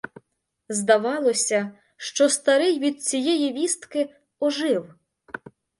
Здавалося, що старий від цієї вістки ожив.